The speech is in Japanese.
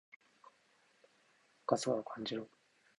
春日を感じろ！